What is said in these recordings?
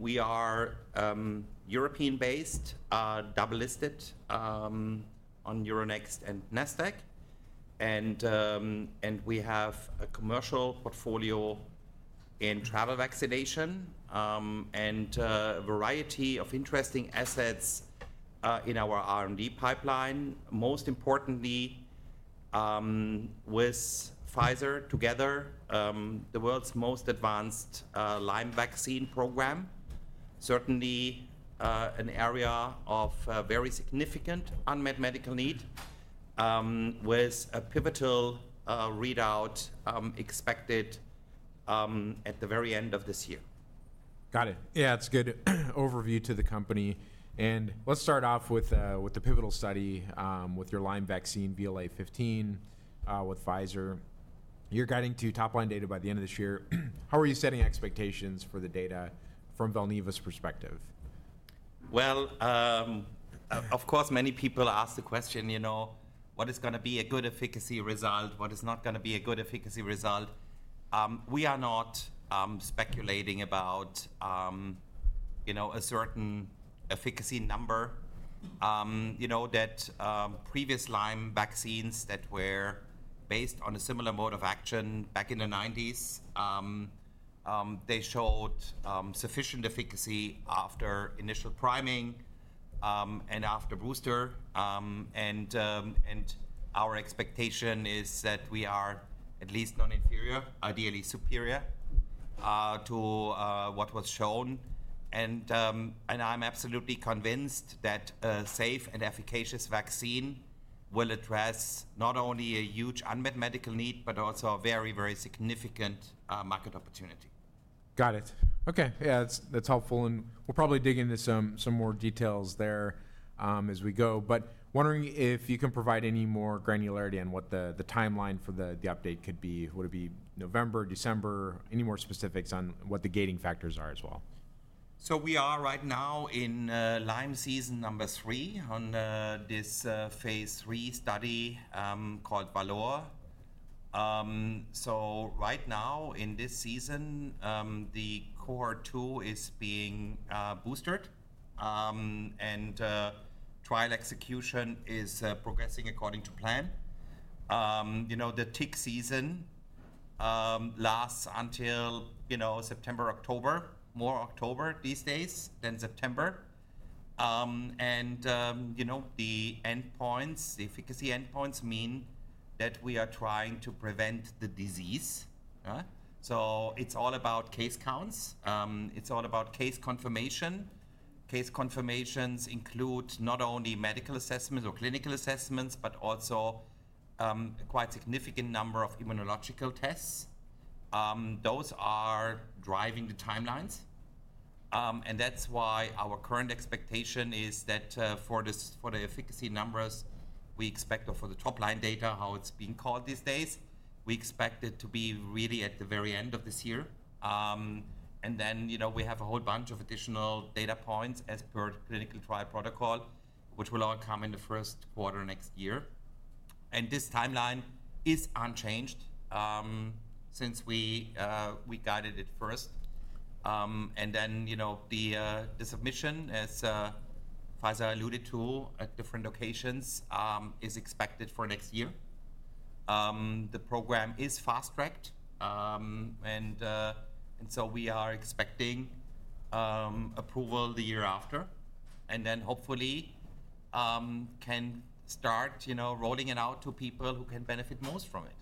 We are European-based, double-listed on Euronext and Nasdaq, and we have a commercial portfolio in travel vaccination and a variety of interesting assets in our R&D pipeline, most importantly with Pfizer together, the world's most advanced Lyme vaccine program. Certainly an area of very significant unmet medical need with a pivotal readout expected at the very end of this year. Got it. Yeah, that's a good overview to the company. Let's start off with the pivotal study with your Lyme vaccine, VLA15, with Pfizer. You're guiding to top-line data by the end of this year. How are you setting expectations for the data from Valneva's perspective? Of course, many people ask the question, you know, what is going to be a good efficacy result? What is not going to be a good efficacy result? We are not speculating about a certain efficacy number. You know, previous Lyme vaccines that were based on a similar mode of action back in the 1990s, they showed sufficient efficacy after initial priming and after booster. Our expectation is that we are at least non-inferior, ideally superior to what was shown. I'm absolutely convinced that a safe and efficacious vaccine will address not only a huge unmet medical need, but also a very, very significant market opportunity. Got it. Okay. Yeah, that's helpful. We'll probably dig into some more details there as we go. Wondering if you can provide any more granularity on what the timeline for the update could be. Would it be November, December? Any more specifics on what the gating factors are as well? We are right now in Lyme season number three on this phase III study called VALOR. Right now in this season, the cohort two is being boostered, and trial execution is progressing according to plan. You know, the tick season lasts until September, October, more October these days than September. The endpoints, the efficacy endpoints, mean that we are trying to prevent the disease. It is all about case counts. It is all about case confirmation. Case confirmations include not only medical assessments or clinical assessments, but also a quite significant number of immunological tests. Those are driving the timelines. That is why our current expectation is that for the efficacy numbers we expect, or for the top-line data, how it is being called these days, we expect it to be really at the very end of this year. We have a whole bunch of additional data points as per clinical trial protocol, which will all come in the first quarter next year. This timeline is unchanged since we guided it first. The submission, as Pfizer alluded to at different locations, is expected for next year. The program is fast-tracked, and we are expecting approval the year after, and then hopefully can start rolling it out to people who can benefit most from it.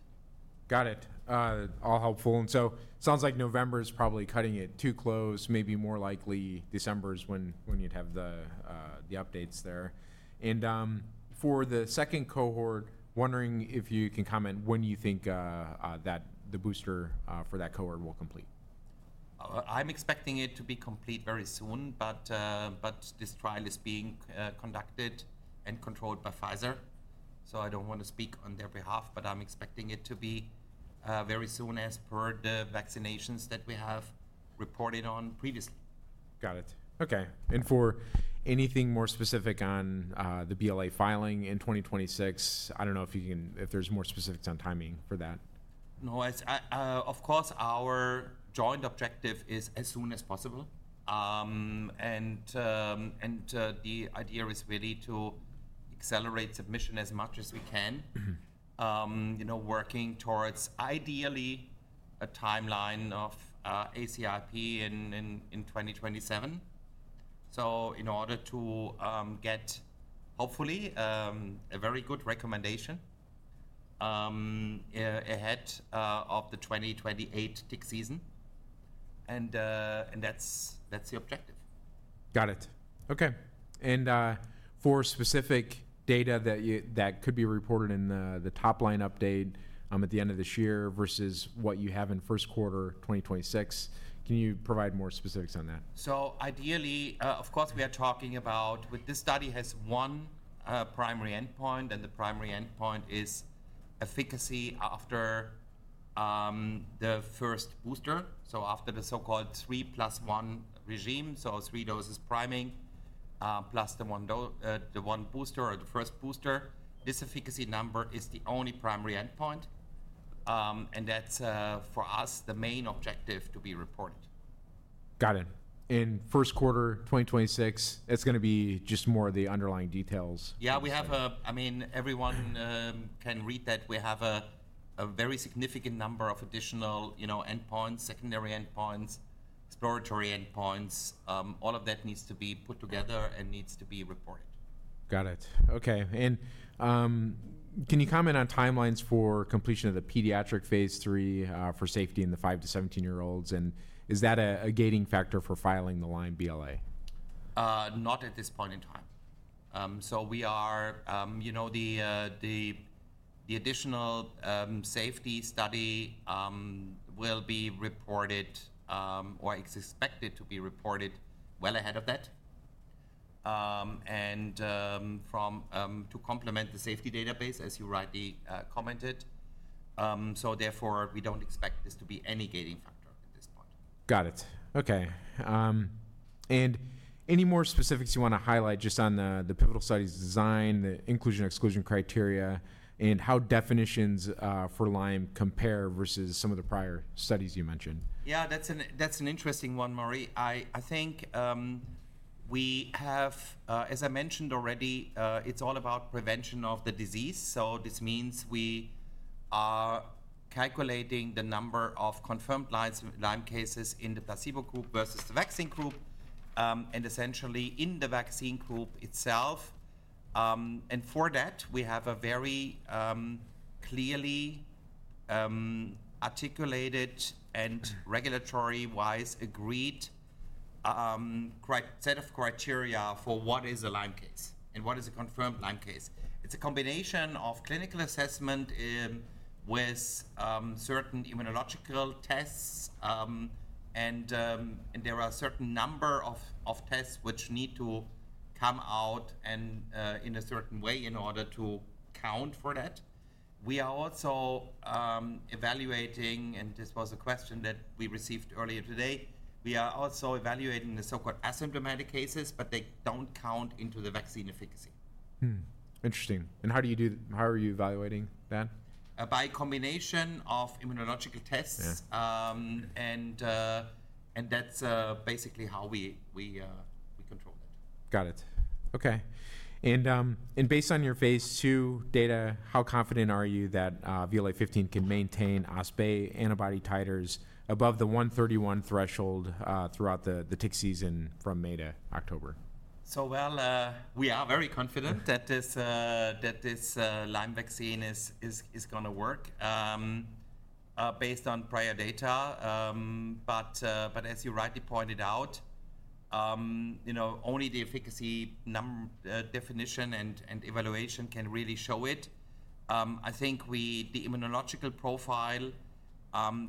Got it. All helpful. It sounds like November is probably cutting it too close. Maybe more likely December is when you'd have the updates there. For the second cohort, wondering if you can comment when you think that the booster for that cohort will complete. I'm expecting it to be complete very soon, but this trial is being conducted and controlled by Pfizer. I don't want to speak on their behalf, but I'm expecting it to be very soon as per the vaccinations that we have reported on previously. Got it. Okay. For anything more specific on the BLA filing in 2026, I do not know if there is more specifics on timing for that. No, of course, our joint objective is as soon as possible. The idea is really to accelerate submission as much as we can, working towards ideally a timeline of ACIP in 2027. In order to get hopefully a very good recommendation ahead of the 2028 tick season. That is the objective. Got it. Okay. For specific data that could be reported in the top-line update at the end of this year versus what you have in first quarter 2026, can you provide more specifics on that? Ideally, of course, we are talking about this study has one primary endpoint, and the primary endpoint is efficacy after the first booster. After the so-called three plus one regime, so three doses priming plus the one booster or the first booster, this efficacy number is the only primary endpoint. That is for us the main objective to be reported. Got it. First quarter 2026, that's going to be just more of the underlying details. Yeah, we have a, I mean, everyone can read that we have a very significant number of additional endpoints, secondary endpoints, exploratory endpoints. All of that needs to be put together and needs to be reported. Got it. Okay. Can you comment on timelines for completion of the pediatric phase III for safety in the 5 to 17-year-olds? Is that a gating factor for filing the Lyme BLA? Not at this point in time. The additional safety study will be reported or is expected to be reported well ahead of that and to complement the safety database, as you rightly commented. Therefore, we do not expect this to be any gating factor at this point. Got it. Okay. Any more specifics you want to highlight just on the pivotal study's design, the inclusion/exclusion criteria, and how definitions for Lyme compare versus some of the prior studies you mentioned? Yeah, that's an interesting one, Marie. I think we have, as I mentioned already, it's all about prevention of the disease. This means we are calculating the number of confirmed Lyme cases in the placebo group versus the vaccine group, and essentially in the vaccine group itself. For that, we have a very clearly articulated and regulatory-wise agreed set of criteria for what is a Lyme case and what is a confirmed Lyme case. It's a combination of clinical assessment with certain immunological tests. There are a certain number of tests which need to come out in a certain way in order to account for that. We are also evaluating, and this was a question that we received earlier today, the so-called asymptomatic cases, but they don't count into the vaccine efficacy. Interesting. How do you do, how are you evaluating that? By a combination of immunological tests. That's basically how we control it. Got it. Okay. Based on your phase II data, how confident are you that VLA15 can maintain OspA antibody titers above the 131 threshold throughout the tick season from May to October? We are very confident that this Lyme vaccine is going to work based on prior data. As you rightly pointed out, only the efficacy definition and evaluation can really show it. I think the immunological profile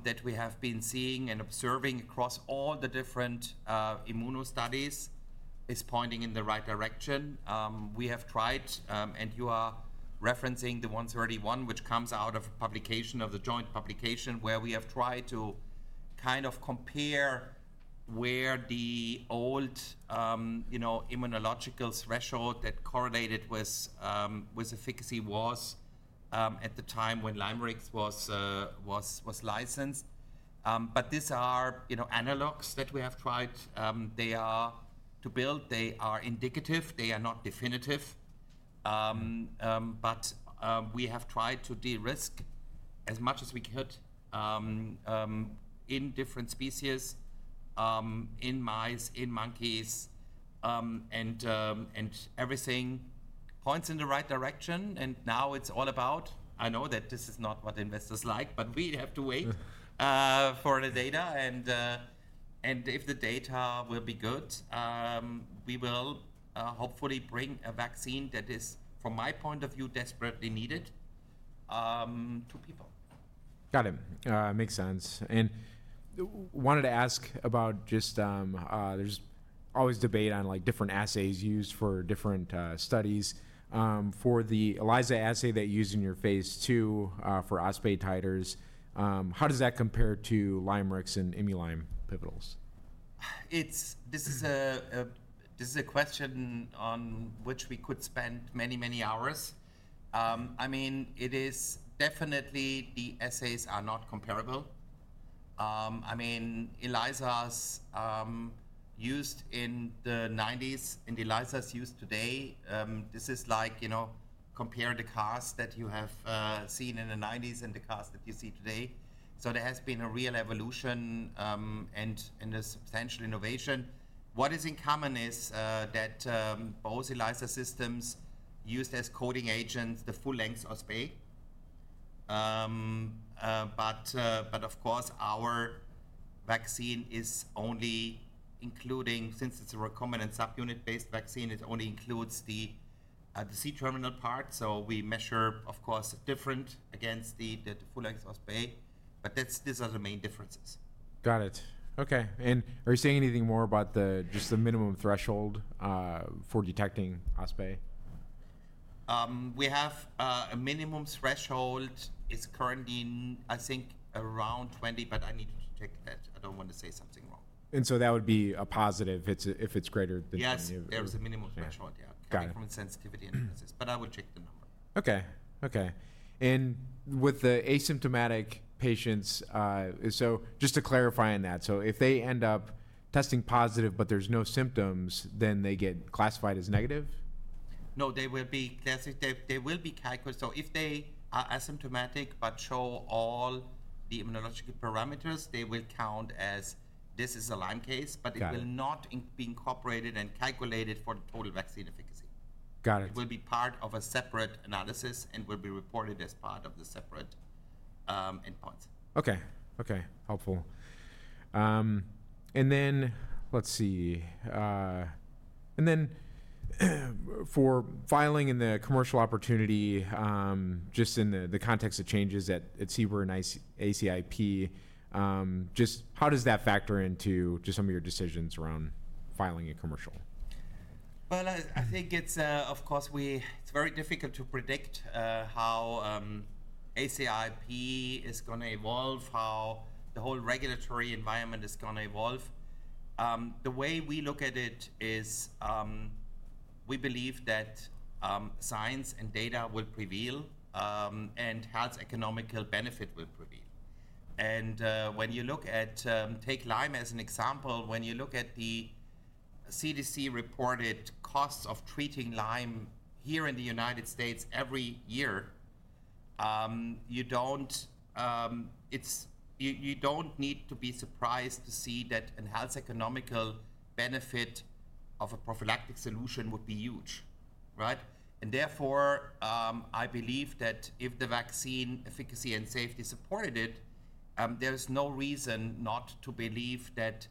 that we have been seeing and observing across all the different immuno studies is pointing in the right direction. We have tried, and you are referencing the 131, which comes out of a publication of the joint publication where we have tried to kind of compare where the old immunological threshold that correlated with efficacy was at the time when LYMErix was licensed. These are analogues that we have tried. They are to build, they are indicative, they are not definitive. We have tried to de-risk as much as we could in different species, in mice, in monkeys, and everything points in the right direction. It is all about, I know that this is not what investors like, but we have to wait for the data. If the data will be good, we will hopefully bring a vaccine that is, from my point of view, desperately needed to people. Got it. Makes sense. I wanted to ask about just there's always debate on different assays used for different studies. For the ELISA assay that you use in your phase II for OspA titers, how does that compare to LYMErix and ImuLyme pivotals? This is a question on which we could spend many, many hours. I mean, it is definitely the assays are not comparable. I mean, ELISAs used in the 1990s and ELISAs used today, this is like compare the cars that you have seen in the 1990s and the cars that you see today. There has been a real evolution and a substantial innovation. What is in common is that both ELISA systems used as coating agents, the full-length OspA. Of course, our vaccine is only including, since it is a recombinant subunit-based vaccine, it only includes the C-terminal part. We measure, of course, different against the full-length OspA. These are the main differences. Got it. Okay. Are you saying anything more about just the minimum threshold for detecting OspA? We have a minimum threshold is currently, I think, around 20, but I need to check that. I do not want to say something wrong. That would be a positive if it's greater than 20. Yes, there is a minimum threshold, yeah, for insensitivity indicators. I would check the number. Okay. Okay. And with the asymptomatic patients, so just to clarify on that, if they end up testing positive, but there are no symptoms, then they get classified as negative? No, they will be classified, they will be calculated. If they are asymptomatic, but show all the immunological parameters, they will count as this is a Lyme case, but it will not be incorporated and calculated for the total vaccine efficacy. Got it. It will be part of a separate analysis and will be reported as part of the separate endpoints. Okay. Okay. Helpful. Let's see. For filing in the commercial opportunity, just in the context of changes at S4V2 and ACIP, just how does that factor into just some of your decisions around filing a commercial? I think it's, of course, it's very difficult to predict how ACIP is going to evolve, how the whole regulatory environment is going to evolve. The way we look at it is we believe that science and data will prevail and health economical benefit will prevail. When you look at, take Lyme as an example, when you look at the CDC reported costs of treating Lyme here in the United States every year, you don't need to be surprised to see that a health economical benefit of a prophylactic solution would be huge. Therefore, I believe that if the vaccine efficacy and safety supported it, there is no reason not to believe that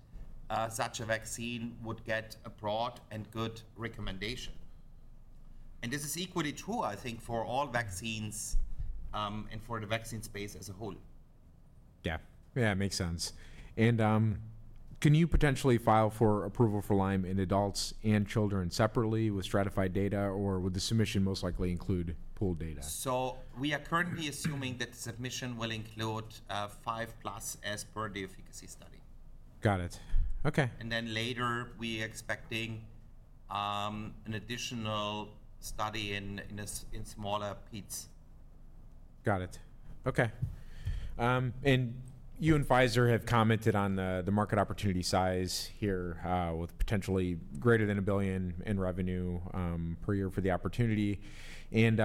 such a vaccine would get a broad and good recommendation. This is equally true, I think, for all vaccines and for the vaccine space as a whole. Yeah. Yeah, it makes sense. Can you potentially file for approval for Lyme in adults and children separately with stratified data, or would the submission most likely include pooled data? We are currently assuming that the submission will include five plus as per the efficacy study. Got it. Okay. Later we are expecting an additional study in smaller pits. Got it. Okay. You and Pfizer have commented on the market opportunity size here with potentially greater than a billion in revenue per year for the opportunity and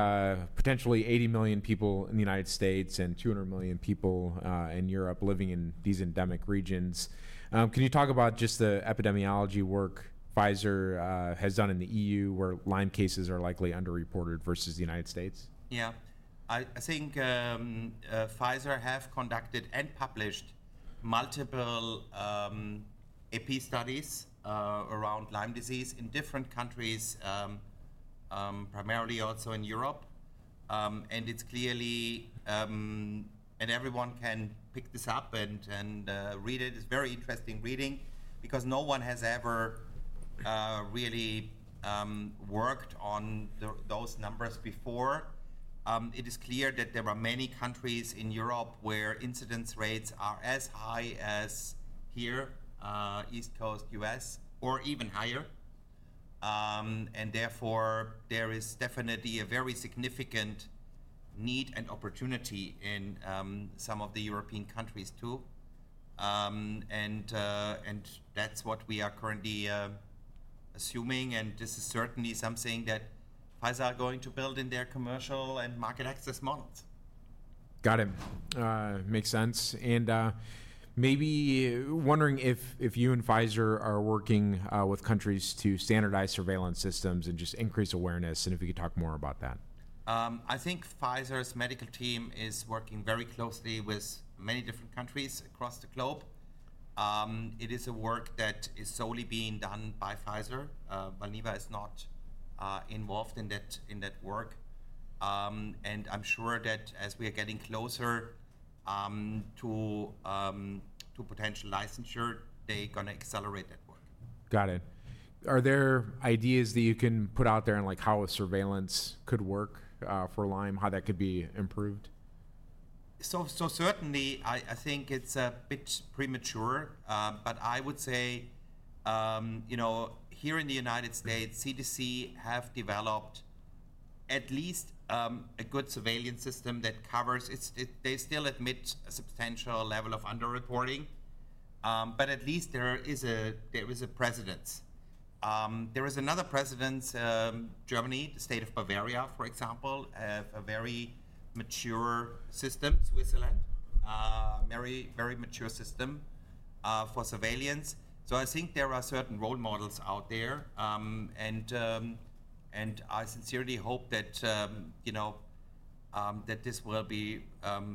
potentially 80 million people in the United States and 200 million people in Europe living in these endemic regions. Can you talk about just the epidemiology work Pfizer has done in the EU where Lyme cases are likely underreported versus the United States? Yeah. I think Pfizer have conducted and published multiple AP studies around Lyme disease in different countries, primarily also in Europe. It is clearly, and everyone can pick this up and read it. It is very interesting reading because no one has ever really worked on those numbers before. It is clear that there are many countries in Europe where incidence rates are as high as here, East Coast U.S., or even higher. Therefore, there is definitely a very significant need and opportunity in some of the European countries too. That is what we are currently assuming. This is certainly something that Pfizer are going to build in their commercial and market access models. Got it. Makes sense. Maybe wondering if you and Pfizer are working with countries to standardize surveillance systems and just increase awareness, and if you could talk more about that. I think Pfizer's medical team is working very closely with many different countries across the globe. It is a work that is solely being done by Pfizer. Valneva is not involved in that work. I'm sure that as we are getting closer to potential licensure, they're going to accelerate that work. Got it. Are there ideas that you can put out there on how a surveillance could work for Lyme, how that could be improved? Certainly, I think it's a bit premature. I would say here in the United States, CDC have developed at least a good surveillance system that covers, they still admit a substantial level of underreporting, but at least there is a precedence. There is another precedence, Germany, the state of Bavaria, for example, a very mature system, Switzerland, very mature system for surveillance. I think there are certain role models out there. I sincerely hope that this will be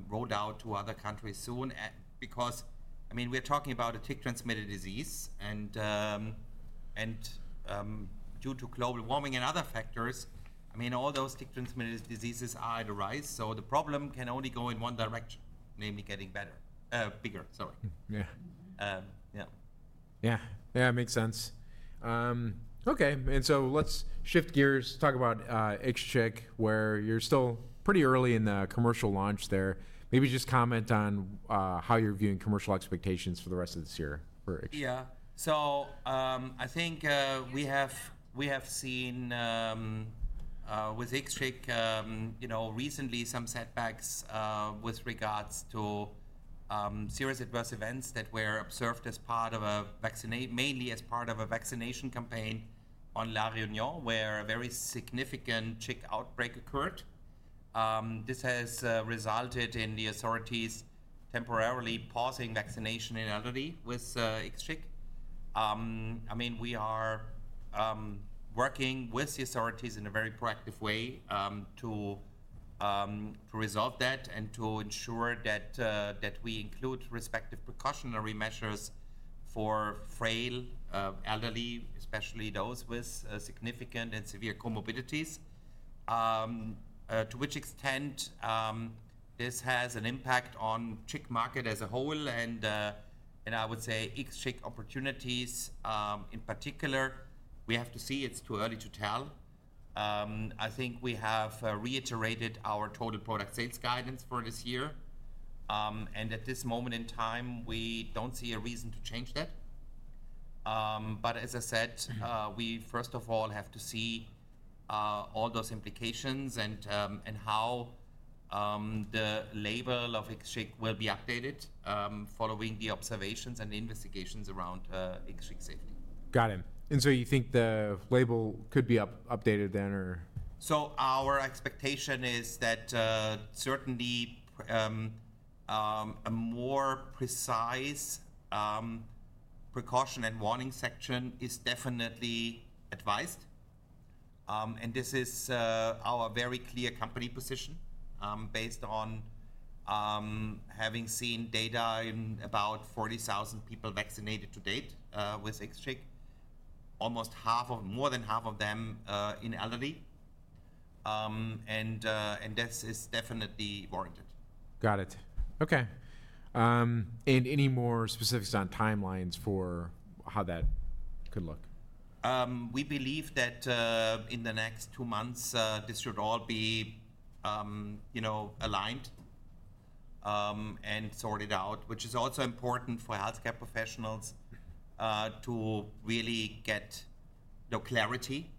rolled out to other countries soon because, I mean, we're talking about a tick-transmitted disease. Due to global warming and other factors, I mean, all those tick-transmitted diseases are at a rise. The problem can only go in one direction, namely getting bigger. Sorry. Yeah. Yeah. Yeah, makes sense. Okay. Let's shift gears, talk about IXCHIQ, where you're still pretty early in the commercial launch there. Maybe just comment on how you're viewing commercial expectations for the rest of this year for IXCHIQ. Yeah. I think we have seen with IXCHIQ recently some setbacks with regards to serious adverse events that were observed as part of a vaccine, mainly as part of a vaccination campaign on La Réunion, where a very significant CHIK outbreak occurred. This has resulted in the authorities temporarily pausing vaccination in Aldi with IXCHIQ. I mean, we are working with the authorities in a very proactive way to resolve that and to ensure that we include respective precautionary measures for frail elderly, especially those with significant and severe comorbidities, to which extent this has an impact on CHIK market as a whole. I would say IXCHIQ opportunities in particular, we have to see, it's too early to tell. I think we have reiterated our total product sales guidance for this year. At this moment in time, we do not see a reason to change that. As I said, we first of all have to see all those implications and how the label of IXCHIQ will be updated following the observations and investigations around IXCHIQ safety. Got it. Do you think the label could be updated then, or? Our expectation is that certainly a more precise precaution and warning section is definitely advised. This is our very clear company position based on having seen data in about 40,000 people vaccinated to date with IXCHIQ, almost more than half of them in India. This is definitely warranted. Got it. Okay. Any more specifics on timelines for how that could look? We believe that in the next two months, this should all be aligned and sorted out, which is also important for healthcare professionals to really get clarity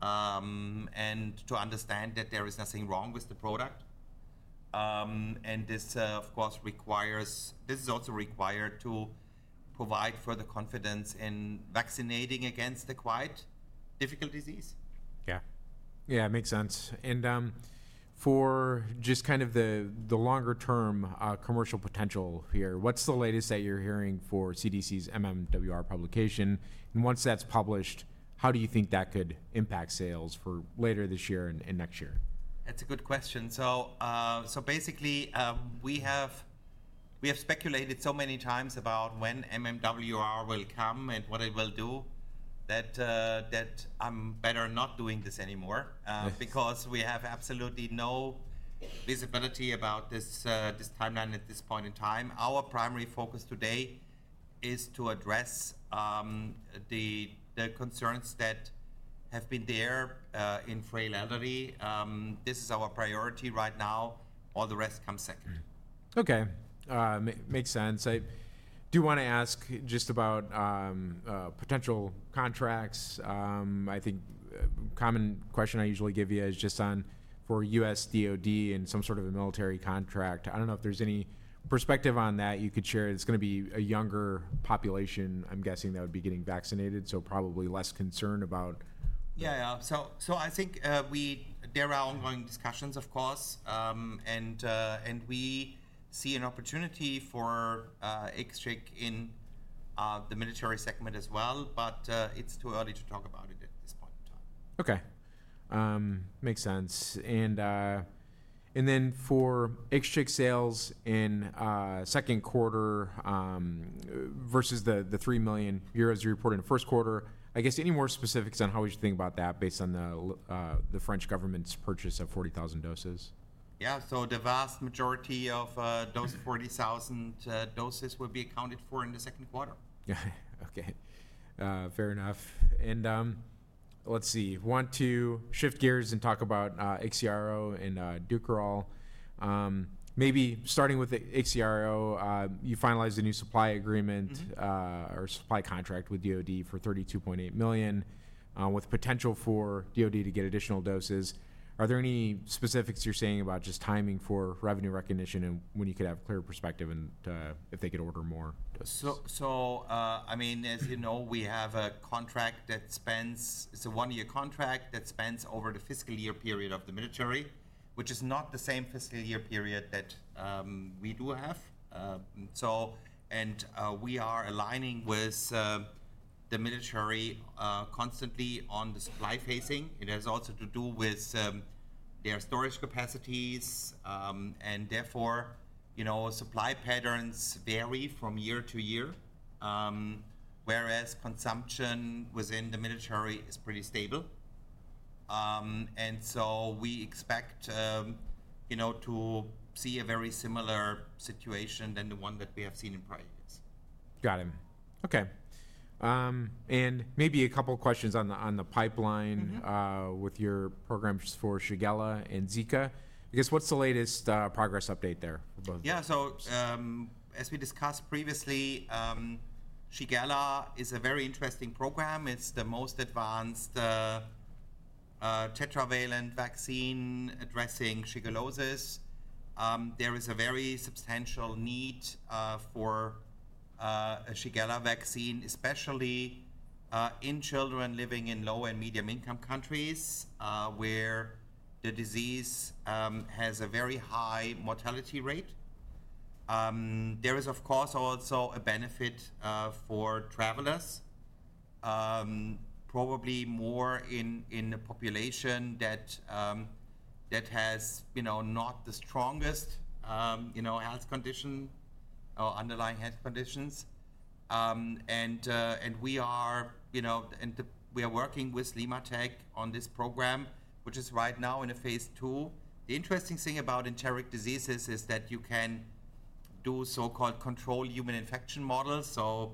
and to understand that there is nothing wrong with the product. This, of course, requires, this is also required to provide further confidence in vaccinating against a quite difficult disease. Yeah. Yeah, makes sense. For just kind of the longer-term commercial potential here, what's the latest that you're hearing for CDC's MMWR publication? Once that's published, how do you think that could impact sales for later this year and next year? That's a good question. Basically, we have speculated so many times about when MMWR will come and what it will do that I'm better not doing this anymore because we have absolutely no visibility about this timeline at this point in time. Our primary focus today is to address the concerns that have been there in frail elderly. This is our priority right now. All the rest comes second. Okay. Makes sense. I do want to ask just about potential contracts. I think common question I usually give you is just on for U.S. DoD and some sort of a military contract. I don't know if there's any perspective on that you could share. It's going to be a younger population, I'm guessing, that would be getting vaccinated, so probably less concerned about. Yeah. I think there are ongoing discussions, of course. We see an opportunity for IXCHIQ in the military segment as well, but it's too early to talk about it at this point in time. Okay. Makes sense. And then for IXCHIQ sales in the second quarter versus the 3 million euros you reported in the first quarter, I guess any more specifics on how would you think about that based on the French government's purchase of 40,000 doses? Yeah. The vast majority of those 40,000 doses will be accounted for in the second quarter. Okay. Fair enough. Let's see. Want to shift gears and talk about IXIARO and Dukoral. Maybe starting with the IXIARO, you finalized a new supply agreement or supply contract with the DoD for 32.8 million with potential for the DoD to get additional doses. Are there any specifics you're saying about just timing for revenue recognition and when you could have clear perspective and if they could order more doses? I mean, as you know, we have a contract that spans, it's a one-year contract that spans over the fiscal year period of the military, which is not the same fiscal year period that we do have. We are aligning with the military constantly on the supply facing. It has also to do with their storage capacities. Therefore, supply patterns vary from year-to-year, whereas consumption within the military is pretty stable. We expect to see a very similar situation than the one that we have seen in prior years. Got it. Okay. Maybe a couple of questions on the pipeline with your programs for Shigella and Zika. I guess what's the latest progress update there for both of you? Yeah. As we discussed previously, Shigella is a very interesting program. It is the most advanced tetravalent vaccine addressing shigellosis. There is a very substantial need for a Shigella vaccine, especially in children living in low and medium-income countries where the disease has a very high mortality rate. There is, of course, also a benefit for travelers, probably more in a population that has not the strongest health condition or underlying health conditions. We are working with LimmaTech on this program, which is right now in a phase II. The interesting thing about enteric diseases is that you can do so-called controlled human infection models, so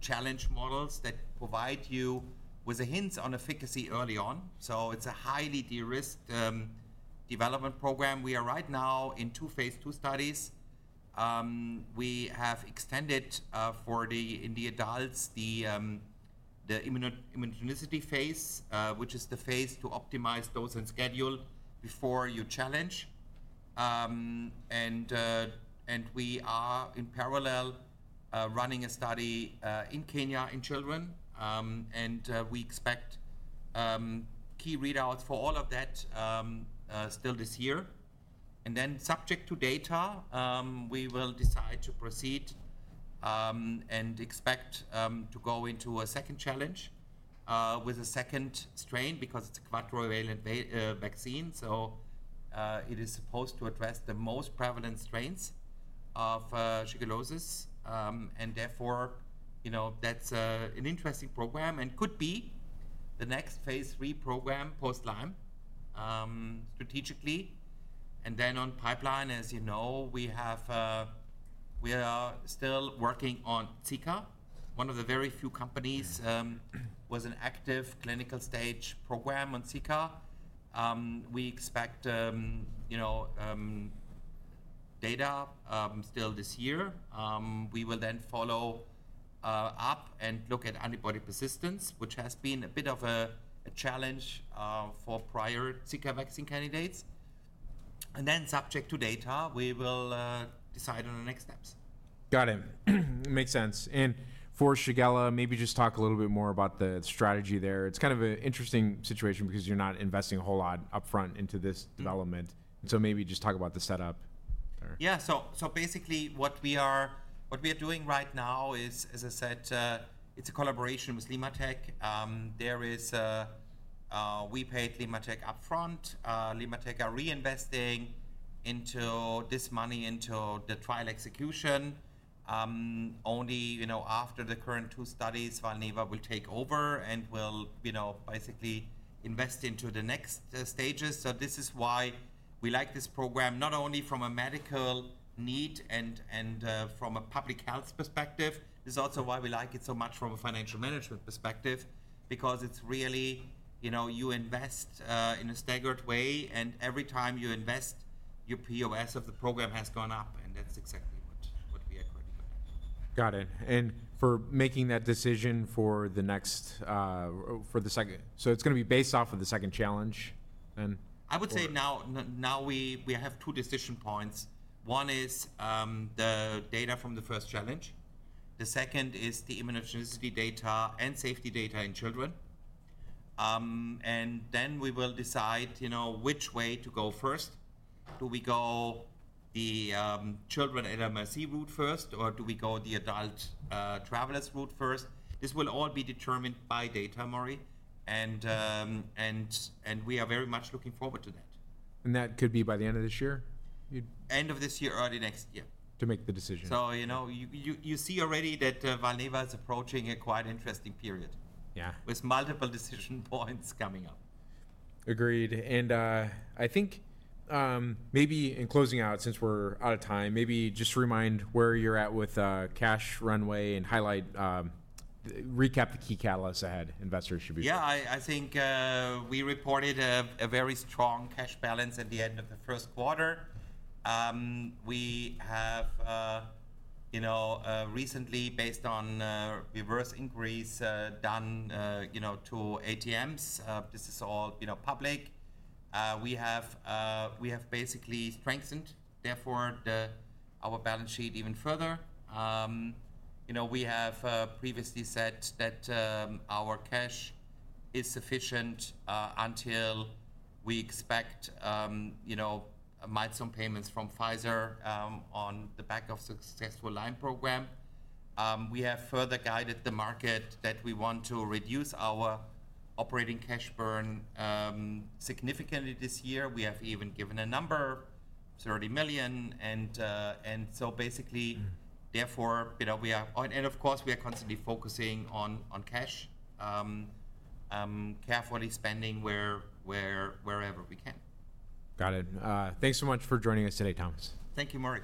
challenge models that provide you with a hint on efficacy early on. It is a highly de-risked development program. We are right now in two phase II studies. We have extended for the adults the immunogenicity phase, which is the phase to optimize dose and schedule before you challenge. We are in parallel running a study in Kenya in children. We expect key readouts for all of that still this year. Subject to data, we will decide to proceed and expect to go into a second challenge with a second strain because it is a quadrivalent vaccine. It is supposed to address the most prevalent strains of shigellosis. Therefore, that is an interesting program and could be the next phase III program post-Lyme, strategically. On pipeline, as you know, we are still working on Zika. One of the very few companies with an active clinical stage program on Zika. We expect data still this year. We will then follow up and look at antibody persistence, which has been a bit of a challenge for prior Zika vaccine candidates. Subject to data, we will decide on the next steps. Got it. Makes sense. For Shigella, maybe just talk a little bit more about the strategy there. It's kind of an interesting situation because you're not investing a whole lot upfront into this development. Maybe just talk about the setup there. Yeah. So basically, what we are doing right now is, as I said, it's a collaboration with LimmaTech. We paid LimmaTech upfront. LimmaTech are reinvesting this money into the trial execution. Only after the current two studies, Valneva will take over and will basically invest into the next stages. This is why we like this program, not only from a medical need and from a public health perspective. This is also why we like it so much from a financial management perspective because it's really you invest in a staggered way. Every time you invest, your POS of the program has gone up. That's exactly what we are currently looking for. Got it. For making that decision for the next, for the second, so it's going to be based off of the second challenge then? I would say now we have two decision points. One is the data from the first challenge. The second is the immunogenicity data and safety data in children. We will decide which way to go first. Do we go the children at MRC route first, or do we go the adult travelers route first? This will all be determined by data, Murray. We are very much looking forward to that. That could be by the end of this year? End of this year, early next year. To make the decision. You see already that Valneva is approaching a quite interesting period with multiple decision points coming up. Agreed. I think maybe in closing out, since we're out of time, maybe just remind where you're at with cash runway and highlight, recap the key catalysts ahead investors should be showing. Yeah. I think we reported a very strong cash balance at the end of the first quarter. We have recently, based on reverse inquiries done to ATMs, this is all public, we have basically strengthened, therefore, our balance sheet even further. We have previously said that our cash is sufficient until we expect milestone payments from Pfizer on the back of the successful Lyme program. We have further guided the market that we want to reduce our operating cash burn significantly this year. We have even given a number, 30 million. Therefore, of course, we are constantly focusing on cash, carefully spending wherever we can. Got it. Thanks so much for joining us today, Thomas. Thank you, Murray.